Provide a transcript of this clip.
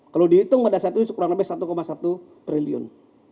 kalau dihitung pada saat itu kurang lebih satu satu triliun